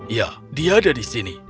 iya dia ada di sini